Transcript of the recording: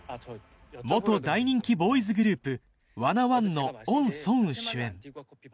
大人気ボーイズグループＷａｎｎａＯｎｅのオン・ソンウ主演